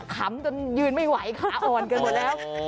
ขำจนยืนไม่ไหวขาอ่อนกันหมดแล้ว